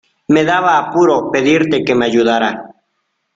me daba apuro pedirte que me ayudara.